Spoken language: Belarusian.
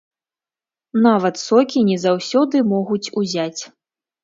Нават сокі не заўсёды могуць узяць.